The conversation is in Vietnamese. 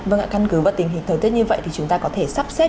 vâng ạ căn cứ vào tình hình thời tiết như vậy thì chúng ta có thể sắp xếp